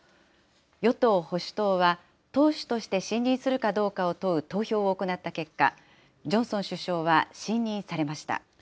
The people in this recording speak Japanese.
与党・保守党は、党首として信任するかどうかを問う投票を行った結果、ジョンソン首相は信任されました。